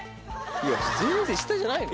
いや全然下じゃないの？